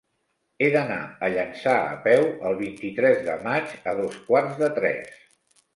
He d'anar a Llançà a peu el vint-i-tres de maig a dos quarts de tres.